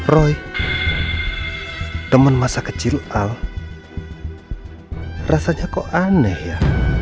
roy teman masa kecil al rasanya kok aneh ya